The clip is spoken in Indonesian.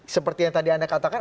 seperti yang tadi anda katakan